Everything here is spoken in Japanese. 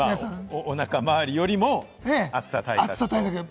おなか周りよりも暑さ対策をと。